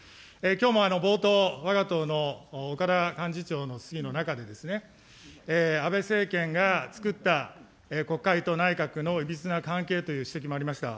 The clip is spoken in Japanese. きょうも冒頭、わが党の岡田幹事長の質疑の中でですね、安倍政権がつくった国会と内閣のいびつな関係という指摘もありました。